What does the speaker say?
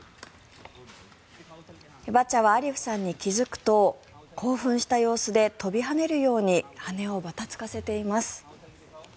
バッチャはアリフさんに気付くと興奮した様子で飛び跳ねるように羽をばたつかせています。